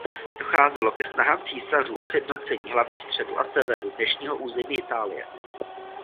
Docházelo ke snahám císařů o sjednocení hlavně středu a severu dnešního území Itálie.